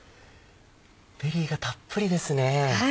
ベリーがたっぷりですね。